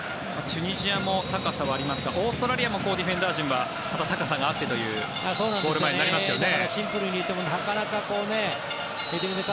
チュニジアも高さはありますがオーストラリアもディフェンダー陣は高さがあってというゴール前になりますよね。